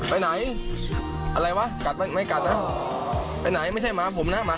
อ้าวมันอยู่ไหนวะเดี๋ยวไปส่งมันมา